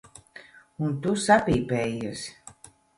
Un tu sapīpējies.